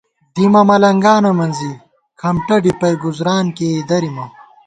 دِیمہ ملَنگانہ مِنزی، کھمٹہ ڈِپَئ، گُزُران کېئ درِیمہ